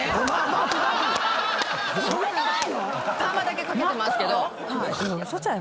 パーマだけかけてますけど。